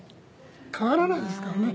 変わらないですからね